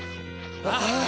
ああ！